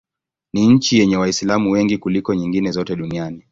Ni nchi yenye Waislamu wengi kuliko nyingine zote duniani.